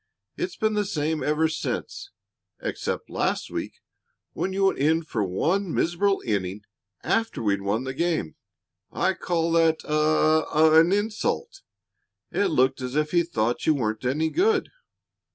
It's been the same ever since, except last week when you went in for one miserable inning after we'd won the game. I call that a a an insult. It looked as if he thought you weren't any good."